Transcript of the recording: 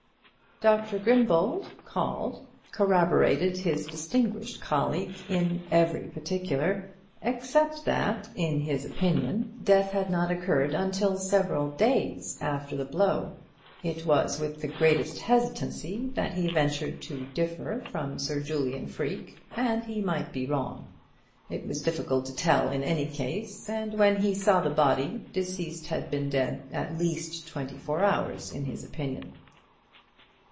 Dr. Grimbold, called, corroborated his distinguished colleague in every particular, except that, in his opinion, death had not occurred for several days after the blow. It was with the greatest hesitancy that he ventured to differ from Sir Julian Freke, and he might be wrong. It was difficult to tell in any case, and when he saw the body, deceased had been dead at least twenty four hours, in his opinion.